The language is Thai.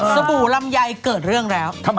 บู่ลำไยเกิดเรื่องแล้ว